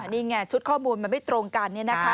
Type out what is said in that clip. นี่ไงชุดข้อมูลมันไม่ตรงกันเนี่ยนะคะ